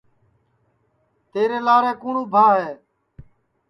تیرے لارے کُوٹؔ اُبھا ہے